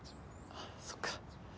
あそっか。